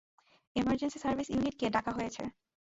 Emergency service ইউনিটকে ডাকা হয়েছে?